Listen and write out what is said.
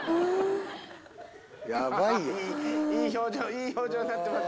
いい表情になってます。